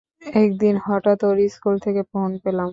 একদিন হঠাৎ ওর স্কুল থেকে ফোন পেলাম।